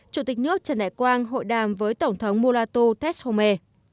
chủ tịch nước trần đại quang hội đàm với tổng thống mulatu tesume